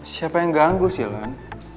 siapa yang ganggu sih kan